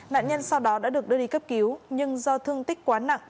nạn nhân sau đó đã được đưa đi cấp cứu nhưng do thương tích quá nặng